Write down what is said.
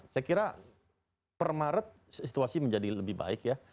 saya kira per maret situasi menjadi lebih baik ya